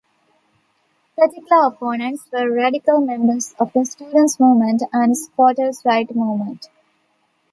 Particular opponents were radical members of the students' movement and squatters' rights movement.